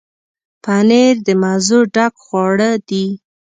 پنېر د مزو ډک خواړه دي.